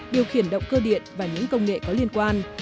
điều khiển động cơ điện và những công nghệ có liên quan